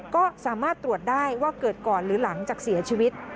ก็สามารถตรวจได้ว่าเกิดก่อนหรือหลังจากเสียชีวิต